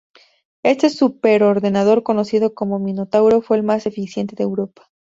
Este superordenador, conocido como MinoTauro, fue el más eficiente de Europa.